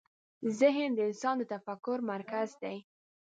ذهن د انسان د تفکر مرکز دی.